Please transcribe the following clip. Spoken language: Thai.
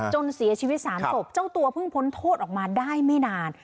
จนเสียชีวิต๓ศพเจ้าตัวเพิ่งพ้นโทษออกมาได้ไม่นาน